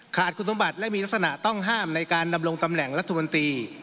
ขาดคุณสมบัติและมีลักษณะต้องห้ามในการดำรงตำแหน่งรัฐมนตรี